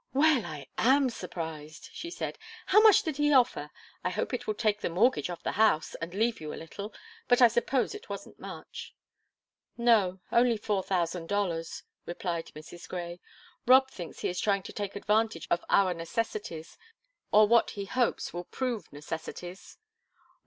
"Well, I am surprised," she said. "How much did he offer? I hope it will take the mortgage off the house, and leave you a little. But I suppose it wasn't much." "No; only four thousand dollars," replied Mrs. Grey. "Rob thinks he is trying to take advantage of our necessities, or what he hopes will prove necessities."